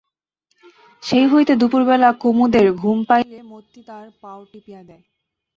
সেই হইতে দুপুরবেলা কুমুদের ঘুম পাইলে মতি তার পাও টিপিয়া দেয়।